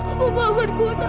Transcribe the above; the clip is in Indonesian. aku mau berguna